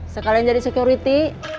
sekalian jadi security